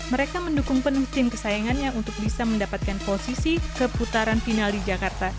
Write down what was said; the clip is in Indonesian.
mereka mendukung penuh tim kesayangannya untuk bisa mendapatkan posisi ke putaran final di jakarta